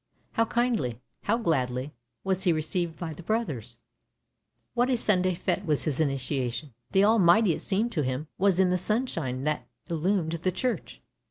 How kindly, how gladly, was he received by the Brothers! What a Sunday fete was his initiation! The Almighty, it seemed to him, was in the sunshine that illumined the church.